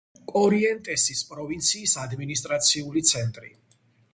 კორიენტესის პროვინციის ადმინისტრაციული ცენტრი.